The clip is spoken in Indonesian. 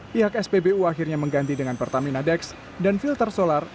pihak spbu akhirnya mengganti dengan pertamina dex dan filter solar